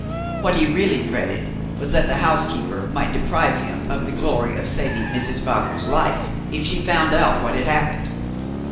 What he really dreaded was, that the housekeeper might deprive him of the glory of saving Mrs. Wagner's life, if she found out what had happened.